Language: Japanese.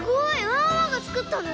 ワンワンがつくったの？